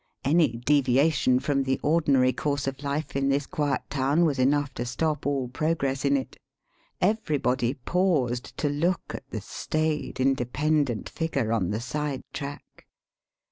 Any deviation from the ordinary course of life in this quiet town was enough to stop all progress in it. Everybody paused to look at the staid, independent figure on the side track.